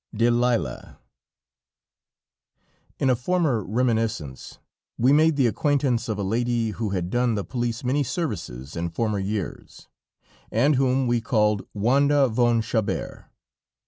DELILA In a former reminiscence, we made the acquaintance of a lady, who had done the police many services in former years, and whom we called Wanda von Chabert.